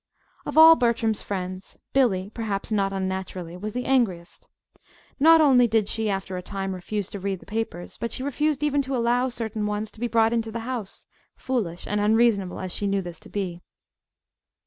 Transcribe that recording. Of all Bertram's friends, Billy, perhaps not unnaturally, was the angriest. Not only did she, after a time, refuse to read the papers, but she refused even to allow certain ones to be brought into the house, foolish and unreasonable as she knew this to be.